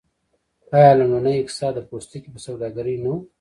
آیا لومړنی اقتصاد د پوستکي په سوداګرۍ نه و؟